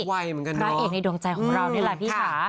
พระเอกในดวงใจของเรานี่แหละพี่ค่ะ